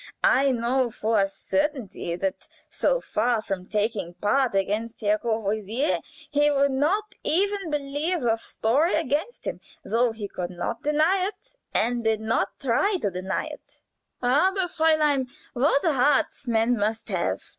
I know for a certainty that, so far from taking part against Herr Courvoisier, he would not even believe the story against him, though he could not deny it, and did not try to deny it. Aber, Fräulein what hearts men must have!